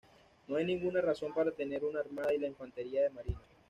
No hay ninguna razón para tener una Armada y la Infantería de Marina.